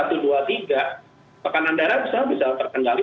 penanganan darah bisa terkendali